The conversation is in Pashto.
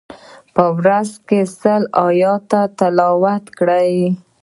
په ورځ کی سل آیتونه تلاوت وکړئ.